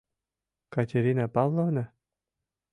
Катерина Павловна?